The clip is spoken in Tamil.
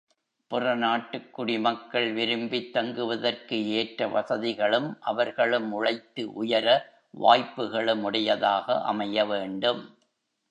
பிற நாட்டுக் குடிமக்கள் விரும்பித் தங்குவதற்கு ஏற்ற வசதிகளும், அவர்களும் உழைத்து உயர வாய்ப்புகளும் உடையதாக அமைய வேண்டும்.